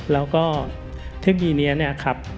แล้วก็เทคโนโลยีนี้เนี่ยครับ